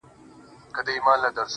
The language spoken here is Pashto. شاوخوا ټولي سيمي~